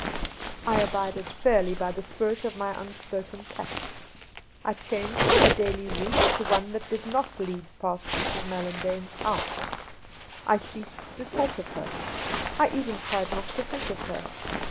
I abided fairly by the spirit of my unspoken pact. I changed my daily route to one that did ijqt lead past Mrs. Mallandane's house. I ceased to talk of her ; I even tried not to think of her.